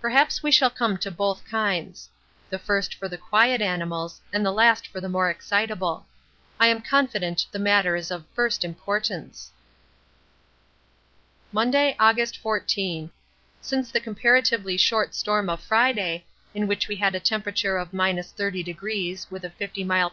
Perhaps we shall come to both kinds: the first for the quiet animals and the last for the more excitable. I am confident the matter is of first importance. Monday, August 14. Since the comparatively short storm of Friday, in which we had a temperature of 30° with a 50 m.p.h.